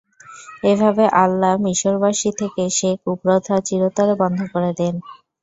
এভাবে আল্লাহ মিসরবাসী থেকে সে কুপ্রথা চিরতরে বন্ধ করে দেন।